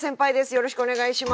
よろしくお願いします。